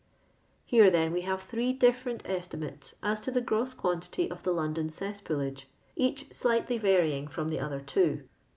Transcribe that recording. lfiTe, then, we have throe different estimates as to the gross quantity of the London cesspool age, each bliglitly varying from the other two.